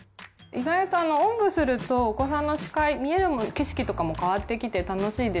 意外とおんぶするとお子さんの視界見えるもの景色とかも変わってきて楽しいですよ。